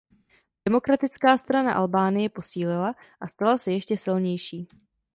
Demokratická strana Albánie posílila a stala se ještě silnější.